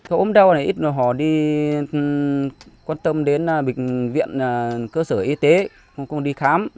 ôm đau này ít mà họ đi quan tâm đến bệnh viện cơ sở y tế không đi khám